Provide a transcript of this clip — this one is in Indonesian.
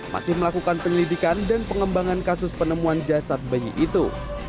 masih melakukan penyelidikan dan pengembangan kasus penemuan jasad bayi itu